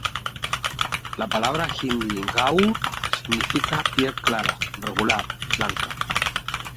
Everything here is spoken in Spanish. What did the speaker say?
La palabra Hindi गौर "gaur" significa piel clara, regular, blanca.